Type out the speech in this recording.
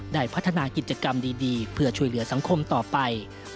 ได้พัฒนากิจกรรมดีเพื่อช่วยเหลือสังคมต่อไป